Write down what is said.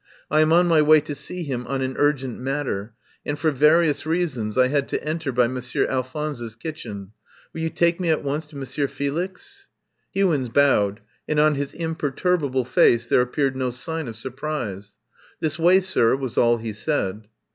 I am on my way to see him on an urgent matter, and for vari ous reasons I had to enter by Monsieur Al phonse's kitchen. Will you take me at once to Monsieur Felix?" Hewins bowed, and on his imperturbable face there appeared no sign of surprise. "This way, sir," was all he said.